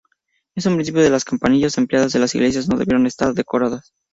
En un principio, las campanillas empleadas en las iglesias no debieron estar decoradas.